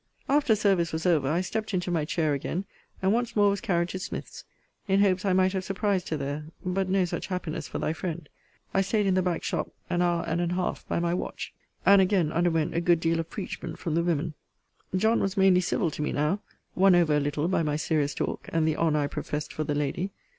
After service was over, I stept into my chair again, and once more was carried to Smith's, in hopes I might have surprised her there: but no such happiness for thy friend. I staid in the back shop an hour and an half, by my watch; and again underwent a good deal of preachment from the women. John was mainly civil to me now; won over a little by my serious talk, and the honour I professed for the lady.